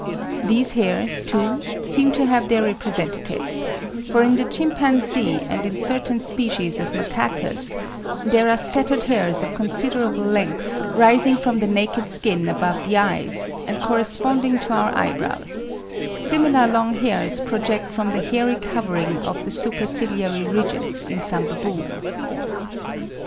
These hairs, too, seem to have their representatives; for in the chimpanzee, and in certain species of Macacus, there are scattered hairs of considerable length rising from the naked skin above the eyes, and corresponding to our eyebrows; similar long hairs project from the hairy covering of the superciliary ridges in some baboons.